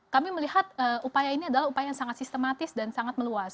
kami melihat upaya ini adalah upaya yang sangat sistematis dan sangat meluas